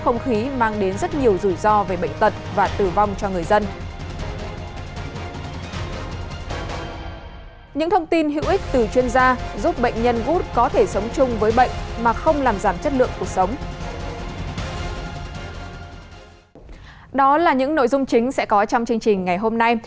những nội dung chính sẽ có trong chương trình ngày hôm nay